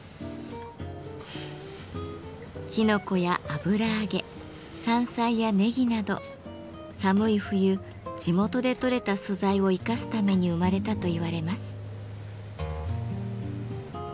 きのこや油揚げ山菜やネギなど寒い冬地元で採れた素材を生かすために生まれたといわれます。